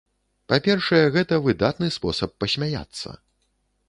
Па-першае, гэта выдатны спосаб пасмяяцца.